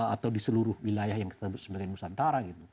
atau di seluruh wilayah yang kita sebut sebagai nusantara gitu